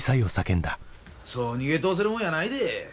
そう逃げ通せるもんやないで。